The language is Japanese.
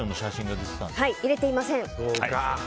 入れていません。